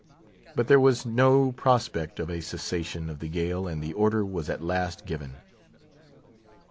But there was no prospect of a cessation of the gale, and the order was at last given.